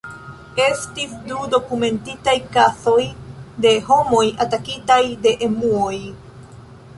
Estis du dokumentitaj kazoj de homoj atakitaj de emuoj.